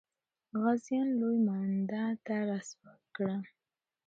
غازیان لوی مانده ته را سوه کړه.